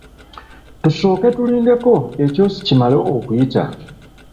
Tusooke tulindeko ekyosi kimale okuyita.